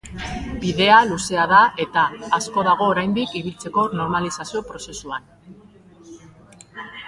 Bidea luzea da eta, asko dago oraindik ibiltzeko normalizazio prozesuan.